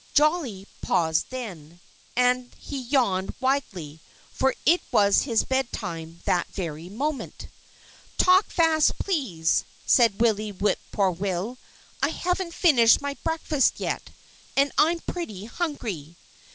Jolly paused then; and he yawned widely, for it was his bed time that very moment. "Talk fast, please!" said Willie Whip poor will. "I haven't finished my breakfast yet. And I'm pretty hungry."